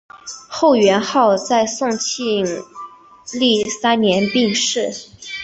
后元昊在宋庆历三年病逝。